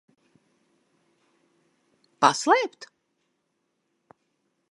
Paslēpt?